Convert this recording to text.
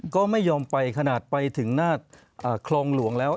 ก็ไม่ยอมไปขนาดไปถึงหน้าคลองหลวงแล้ว